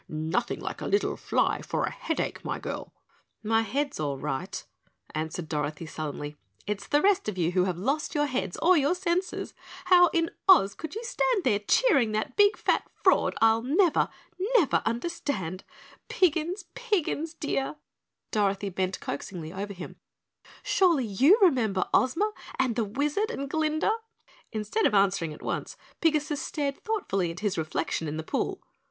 "Nothing like a little fly for a headache, my girl!" "My head's all right," answered Dorothy sullenly. "It's the rest of you who have lost your heads or your senses. How in Oz you could stand in there cheering that big, fat fraud, I'll never, never understand. Piggins, Piggins, dear " Dorothy bent coaxingly over him "surely you remember Ozma and the Wizard and Glinda." Instead of answering at once, Pigasus stared thoughtfully at his reflection in the pool.